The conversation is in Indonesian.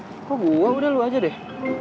nih kok gua udah lu aja deh